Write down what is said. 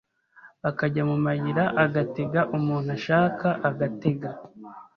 akajya mu mayira agatega umuntu ashaka agatega